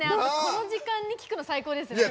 この時間に聴くの最高ですよね。